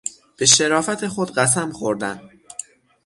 به شرافت خود قسم خوردن